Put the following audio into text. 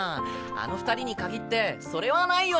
あの二人にかぎってそれはないよね！